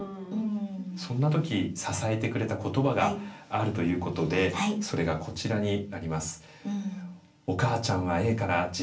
そんな時支えてくれた言葉があるということでそれがこちらになります。